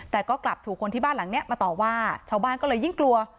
แต่ก็กลับถูกคนที่บ้านหลังเนี้ยมาต่อว่าชาวบ้านก็เลยยิ่งกลัว